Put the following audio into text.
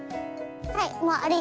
はい。